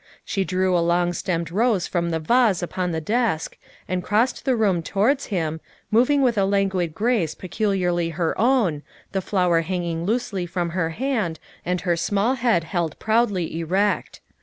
She drew a long stemmed rose from the vase upon the desk and crossed the room towards him, moving with a languid grace peculiarly her own, the flower hanging loosely from her hand and her small head held proudly erect.